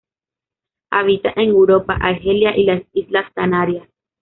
Habita en Europa, Argelia y las islas Canarias.